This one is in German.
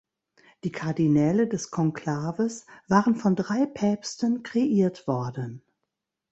Die Kardinäle des Konklaves waren von drei Päpsten kreiert worden.